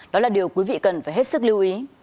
đó là điều quý vị cần phải hết sức lưu ý